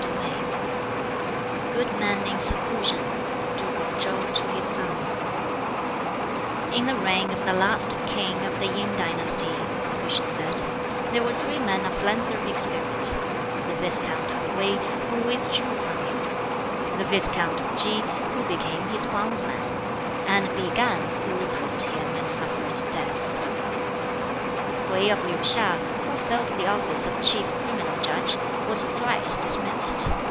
] BOOK XVIII Good Men in Seclusion Duke of Chow to His Son "In the reign of the last king of the Yin dynasty," Confucius I said, "there were three men of philanthropic spirit: the viscount of Wei, who withdrew from him; the viscount of Ki, who became his bondsman; and Pi kan, who reproved him and suffered death." Hwķi of Liu hiŠ, who filled the office of Chief Criminal Judge, was thrice dismissed.